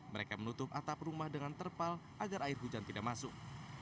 mereka menutup atap rumah dengan terpal agar air hujan tidak masuk